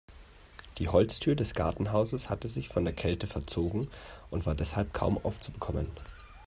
Die Holztür des Gartenhauses hatte sich von der Kälte verzogen und war deshalb kaum aufzubekommen.